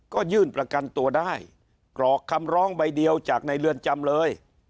ก็ยื่นประกันตัวได้กรอกคำร้องใบเดียวจากในเรือนจำเลย